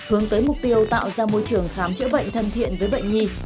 hướng tới mục tiêu tạo ra môi trường khám chữa bệnh thân thiện với bệnh nhi